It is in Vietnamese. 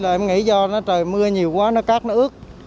em nghĩ do trời mưa nhiều quá nó cát nó ướt